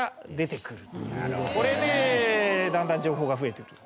これでだんだん情報が増えてると。